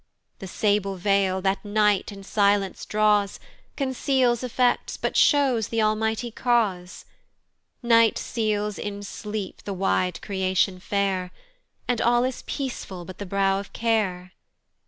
The sable veil, that Night in silence draws, Conceals effects, but shows th' Almighty Cause, Night seals in sleep the wide creation fair, And all is peaceful but the brow of care.